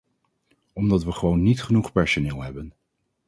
Omdat we gewoon niet genoeg personeel hebben.